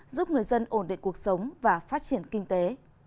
giúp người dân ổn định cuộc sống và phát triển kinh tế